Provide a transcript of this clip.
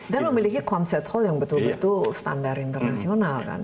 dan memiliki concert hall yang betul betul standar internasional kan